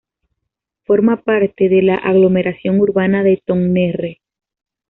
Forma parte de la aglomeración urbana de Tonnerre.